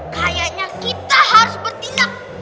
kayaknya kita harus bertindak